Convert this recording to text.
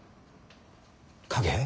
影？